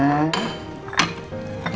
ini buat mama